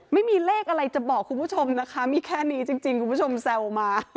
ไม่มีเลขอะไรจะบอกคุณผู้ชมนะคะมีแค่นี้จริงคุณผู้ชมแซวมา